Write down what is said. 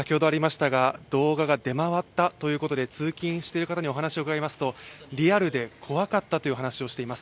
動画が出回ったということで、通勤している方にお話を伺いますとリアルで怖かったという話をしています。